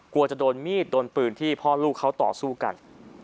กลัวจะโดนมีดโดนปืนที่พ่อลูกเขาต่อสู้กัน